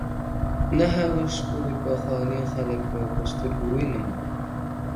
نه هغه ښکلي پخواني خلک په سترګو وینم؛